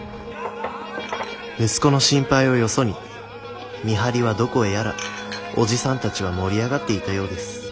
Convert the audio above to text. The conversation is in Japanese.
息子の心配をよそに見張りはどこへやらおじさんたちは盛り上がっていたようです